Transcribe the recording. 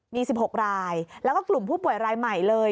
มี๑๖รายแล้วก็กลุ่มผู้ป่วยรายใหม่เลย